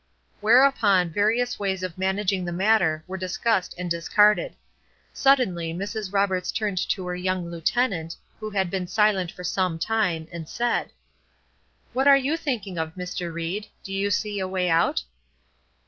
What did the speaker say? Whereupon various ways of managing the matter were discussed and discarded; suddenly Mrs. Roberts turned to her young lieutenant, who had been silent for some time, and said: "What are you thinking of, Mr. Ried? Do you see a way out?"